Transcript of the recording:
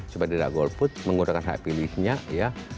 supaya tidak golput menggunakan hak pilihnya ya